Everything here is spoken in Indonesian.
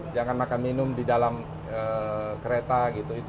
jangan makan minum di dalam kereta gitu